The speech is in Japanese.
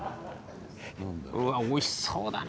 おいしそうだな。